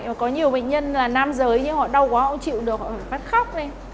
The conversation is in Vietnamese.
và có nhiều bệnh nhân là nam giới nhưng họ đau quá họ chịu được họ phải phát khóc